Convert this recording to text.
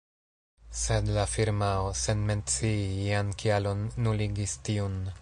Sed la firmao, sen mencii ian kialon, nuligis tiun.